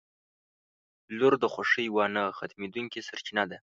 • لور د خوښۍ یوه نه ختمېدونکې سرچینه ده.